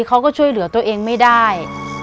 เขาก็ช่วยเหลือตัวเองไม่ได้